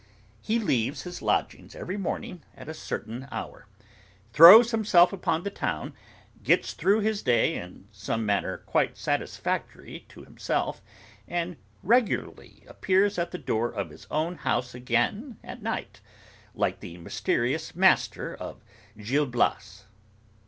He leaves his lodgings every morning at a certain hour, throws himself upon the town, gets through his day in some manner quite satisfactory to himself, and regularly appears at the door of his own house again at night, like the mysterious master of Gil Blas.